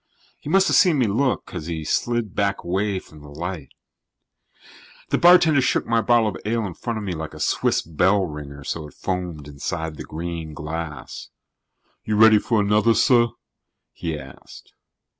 He must have seen me look, because he slid back away from the light. The bartender shook my bottle of ale in front of me like a Swiss bell ringer so it foamed inside the green glass. "You ready for another, sir?" he asked.